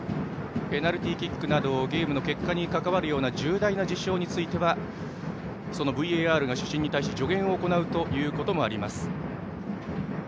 ペナルティーキックなどゲームの結果にかかわるような重大な事象についてはＶＡＲが主審に対して助言を行うということもあります。